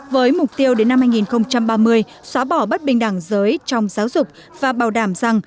với mục tiêu đến năm hai nghìn ba mươi xóa bỏ bất bình đẳng giới trong giáo dục và bảo đảm rằng